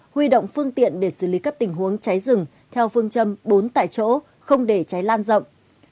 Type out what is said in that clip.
huy động phương tiện để xử lý các tình huống cháy rừng theo phương châm bốn tại chỗ không để cháy lan rộng